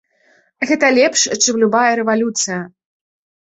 Гэта лепш, чым любая рэвалюцыя.